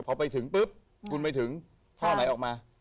พอไปถึงปุ๊บคุณไปถึงท่าไหนออกมา